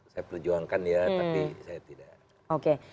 saya perjuangkan ya tapi saya tidak oke